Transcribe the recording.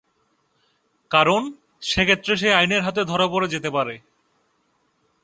কারণ, সেক্ষেত্রে সে আইনের হাতে ধরা পড়ে যেতে পারে।